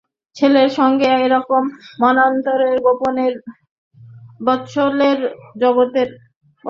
ছেলের সঙ্গে এরকম মনান্তর গোপালের বাৎসল্যেরও জগতে মস্বত্তরের সমান, বড় কষ্ট হয়।